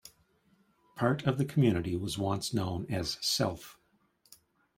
Part of the community was once known as Self.